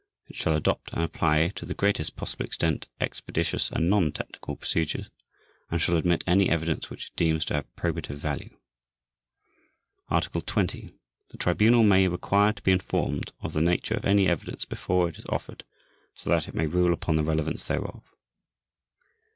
It shall adopt and apply to the greatest possible extent expeditious and non technical procedure, and shall admit any evidence which it deems to have probative value. Article 20. The Tribunal may require to be informed of the nature of any evidence before it is offered so that it may rule upon the relevance thereof.